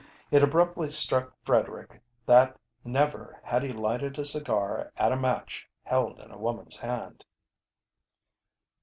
It abruptly struck Frederick that never had he lighted a cigar at a match held in a woman's hand.